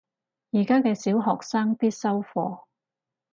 而家嘅小學生必修課